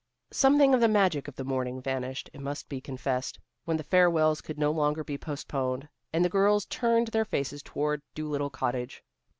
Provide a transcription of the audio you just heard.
Something of the magic of the morning vanished, it must be confessed, when the farewells could no longer be postponed, and the girls turned their faces toward Dolittle Cottage.